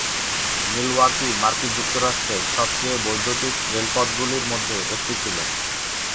Milwaukee মার্কিন যুক্তরাষ্ট্রের সবচেয়ে বৈদ্যুতিক রেলপথগুলির মধ্যে একটি ছিল।